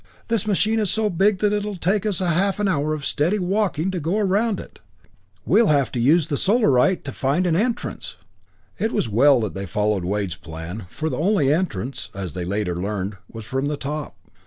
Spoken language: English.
The machine is so big that it'll take us half an hour of steady walking to go around it. We'll have to use the Solarite to find an entrance!" It was well that they followed Wade's plan, for the only entrance, as they later learned, was from the top.